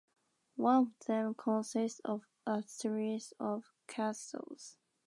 One of them consists of a series of castles.